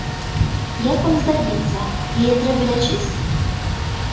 Як вам здаецца, яе трэба лячыць?